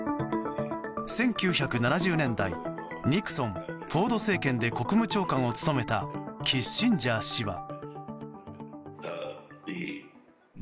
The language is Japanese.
１９７０年代ニクソン、フォード政権で国務長官を務めたキッシンジャー氏は。